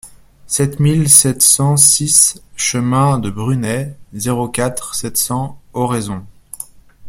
sept mille sept cent six chemin de Brunet, zéro quatre, sept cents, Oraison